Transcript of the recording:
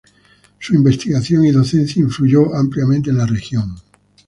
Su investigación y docencia influyó ampliamente en la región.